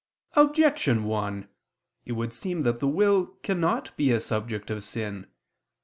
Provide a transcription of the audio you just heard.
Objection 1: It would seem that the will cannot be a subject of sin.